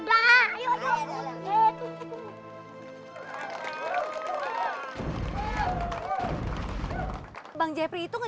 bang jeffrey itu gak bisa menahan si lilo